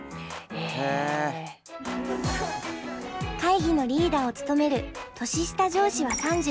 会議のリーダーを務める年下上司は３１歳。